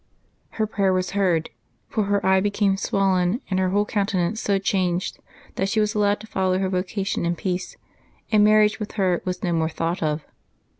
Her prayer was heard, for her eye became swollen, and her whole coun tenance so changed that she was allowed to follow her vocation in peace, and marriage with her was no more thought of.